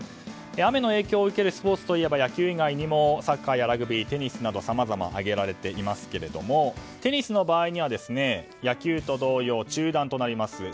雨の影響を受けるスポーツといえば、野球以外にもサッカーやラグビー、テニスなどさまざま挙げられていますがテニスの場合には野球と同様、中断となります。